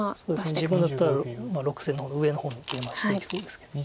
自分だったら６線の方上の方にケイマしていきそうですけど。